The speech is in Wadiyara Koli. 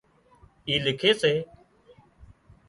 اِي لِکي سي